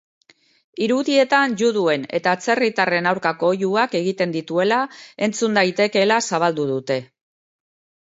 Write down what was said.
Irudietan juduen eta atzerritarren aurkako oihuak egiten dituela entzun daitekeela zabaldu dute.